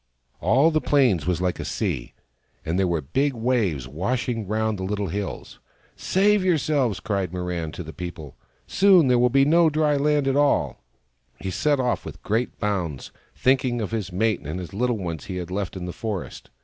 All the 128 THE FROG THAT LAUGHED plain was like a sea, and there were big waves wash ing round the little hills. " Save yourselves !" cried Mirran, to the people. " Soon there will be no dry land at all !" He set off with great bounds, thinking of his mate and the little ones he had left in the forest.